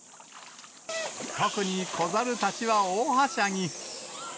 特に子猿たちは大はしゃぎ。